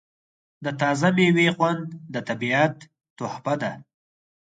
د تازه میوې خوند د طبیعت تحفه ده.